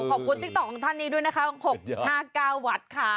ขอบคุณติ๊กต่อของท่านนี้ด้วยนะคะ๖๕๙วัตต์ค่ะ